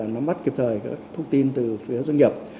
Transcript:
nắm bắt kịp thời các thông tin từ phía doanh nghiệp